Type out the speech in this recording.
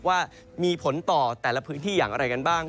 ว่ามีผลต่อแต่ละพื้นที่อย่างไรกันบ้าง